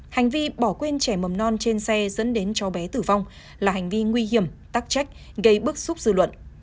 hành vi bỏ quên trẻ mầm non trên xe dẫn đến cháu bé tử vong là hành vi nguy hiểm tắc trách gây bức xúc dư luận